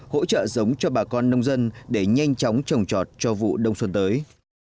hỗ trợ giống cho bà con nông dân để nhanh chóng trồng trọt cho vụ đông xuân tới